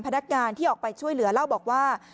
พนักงานที่ออกไปช่วยเหลือเล่าบอกว่า